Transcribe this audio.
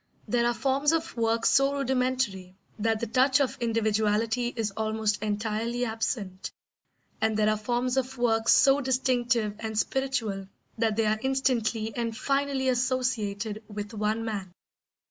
There are forms of work so rudimentary that the touch of individuality is almost entirely absent, and there are forms of work so distinctive and spiritual that they are instantly and finally associated with one man.